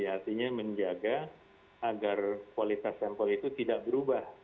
artinya menjaga agar kualitas sampel itu tidak berubah